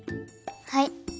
はい。